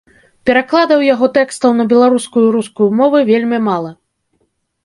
Перакладаў яго тэкстаў на беларускую і рускую мовы вельмі мала.